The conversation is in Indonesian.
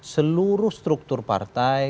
seluruh struktur partai